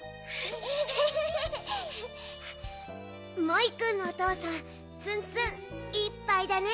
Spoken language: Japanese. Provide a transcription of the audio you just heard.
モイくんのおとうさんツンツンいっぱいだね。